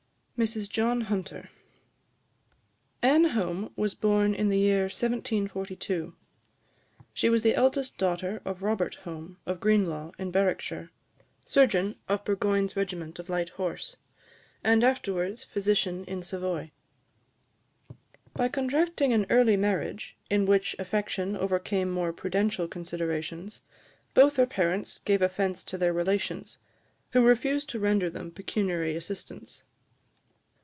MRS JOHN HUNTER. Anne Home was born in the year 1742. She was the eldest daughter of Robert Home, of Greenlaw, in Berwickshire, surgeon of Burgoyne's Regiment of Light Horse, and afterwards physician in Savoy. By contracting an early marriage, in which affection overcame more prudential considerations, both her parents gave offence to their relations, who refused to render them pecuniary assistance.